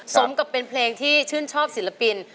สมกับเป็นเพลงที่ชื่นชอบศิลปิน